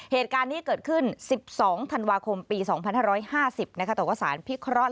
เหตุการณ์นี้เกิดขึ้น๑๒ธันวาคมปี๒๕๕๐ต่อว่าสารพิเคราะห์